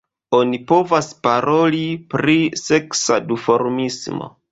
Oni povas paroli pri seksa duformismo.